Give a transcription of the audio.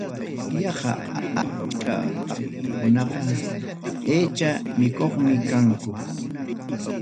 Yaqa achka pakchakunaqa aycha mikuqmi kanku.